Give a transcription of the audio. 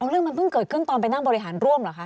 เรื่องมันเพิ่งเกิดขึ้นตอนไปนั่งบริหารร่วมเหรอคะ